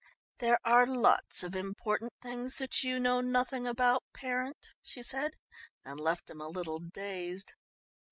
"There are lots of important things that you know nothing about, parent," she said and left him a little dazed.